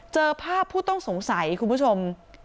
เจอภาพผู้ต้องสงสัยคุณผู้ชม